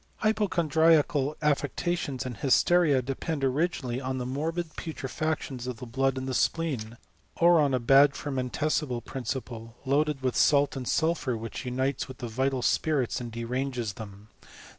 Hypochondriacal afiectioat and hysteria depend originally on the morbid putriftfli* VAW HWMOBT AITB THIi IAmO*CHEMISTS. 20? tion of the blood in the spleen, or on a bad fenoentea cible principle, loaded with salt and sulphur, which nnitea with the vital spirits and deranges them.